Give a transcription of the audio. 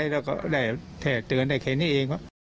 เราก็ได้แทรกเตือนได้เข็นให้เอง